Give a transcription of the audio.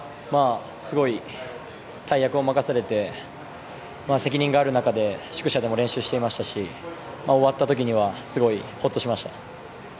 すごい、大役を任されて責任がある中で宿舎でも練習していましたし終わった時にはすごいほっとしました。